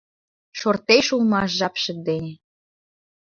Шортеш улмаш жапше ден.